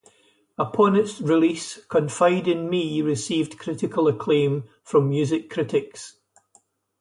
Upon its release, "Confide in Me" received critical acclaim from music critics.